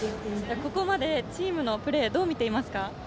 ここまでチームのプレーどう見ていますか？